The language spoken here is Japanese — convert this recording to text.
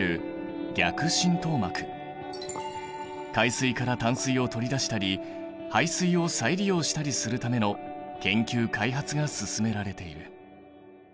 海水から淡水を取り出したり廃水を再利用したりするための研究・開発が進められている。